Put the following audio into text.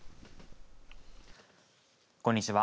こんにちは。